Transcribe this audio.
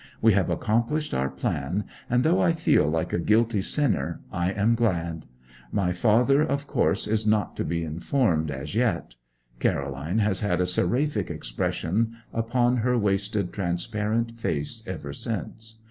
We have accomplished our plan; and though I feel like a guilty sinner, I am glad. My father, of course, is not to be informed as yet. Caroline has had a seraphic expression upon her wasted, transparent face ever since.